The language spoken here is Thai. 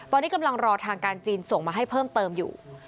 ตอนนี้กำลังรอทางการจีนส่งมาให้เพิ่มเติมอยู่